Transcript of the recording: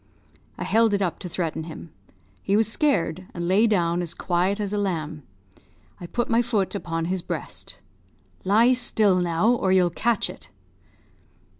I held it up to threaten him; he was scared, and lay down as quiet as a lamb. I put my foot upon his breast. 'Lie still, now! or you'll catch it.'